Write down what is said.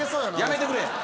やめてくれ。